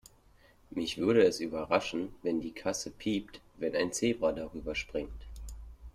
Mich würde es überraschen, wenn die Kasse piept, wenn ein Zebra darüberspringt.